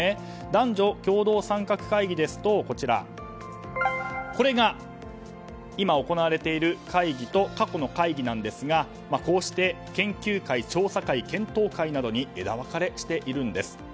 男女共同参画会議ですとこれが今行われている会議と過去の会議なんですがこうして研究会、調査会検討会などに枝分かれしているんです。